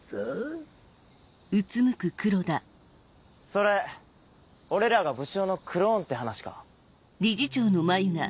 それ俺らが武将のクローンって話か？